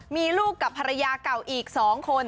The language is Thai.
มีลูกกับภรรยาเก่าอีก๒คน